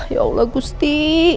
ya allah gusti